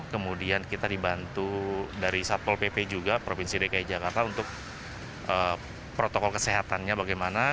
kemudian kita dibantu dari satpol pp juga provinsi dki jakarta untuk protokol kesehatannya bagaimana